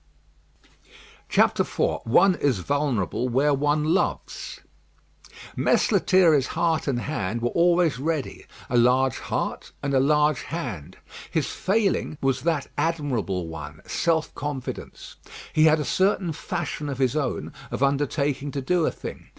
IV ONE IS VULNERABLE WHERE ONE LOVES Mess Lethierry's heart and hand were always ready a large heart and a large hand. His failing was that admirable one, self confidence. He had a certain fashion of his own of undertaking to do a thing.